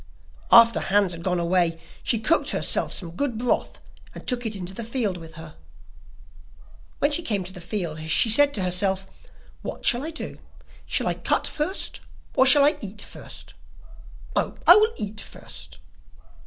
After Hans had gone away, she cooked herself some good broth and took it into the field with her. When she came to the field she said to herself: 'What shall I do; shall I cut first, or shall I eat first? Oh, I will eat first.